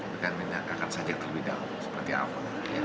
dan ini akan saya ajak terlebih dahulu seperti apa